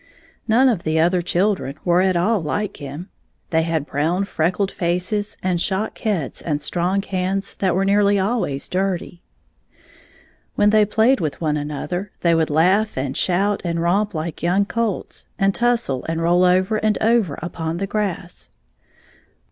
None of the other children were at all like him. They had brown fi*eckled faces and shock heads and strong hands that were nearly always dirty. II When they played with one another they would laugh and shout and romp Uke young colts, and tussle and roll over and over upon the grass.